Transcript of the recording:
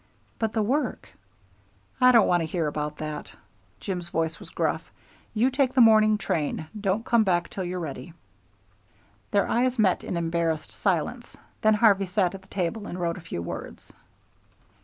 "But the work?" "I don't want to hear about that," Jim's voice was gruff, "you take the morning train. Don't come back till you're ready." Their eyes met in embarrassed silence, then Harvey sat at the table and wrote a few words.